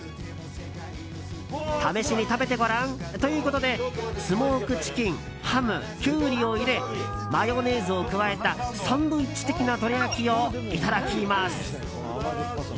試しに食べてごらんということでスモークチキンハム、キュウリを入れマヨネーズを加えたサンドイッチ的などら焼きをいただきます。